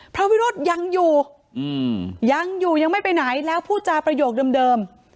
พระวิโรธยังอยู่ยังอยู่ยังไม่ไปไหนแล้วพูดจาประโยคเดิม